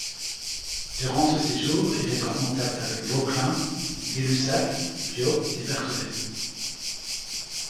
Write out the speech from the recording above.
Durant ce séjour, il est en contact avec Vauquelin, Gay-Lussac, Biot et Berthollet.